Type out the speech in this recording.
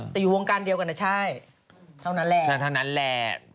แต่อยู่วงการเดียวกันอะใช่เท่านั้นแหละ